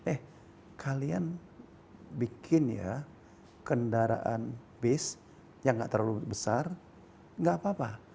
eh kalian bikin ya kendaraan bis yang nggak terlalu besar nggak apa apa